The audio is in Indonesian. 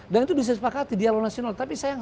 dan itu disepakati dialog nasional tapi sayang